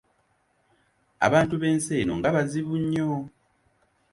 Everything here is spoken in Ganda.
Abantu b’ensi eno nga bazibu nnyo!